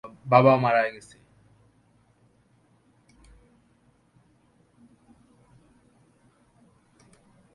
বাবা মারা গেছে।